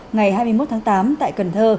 ngày hai mươi một tháng tám tại cần thơ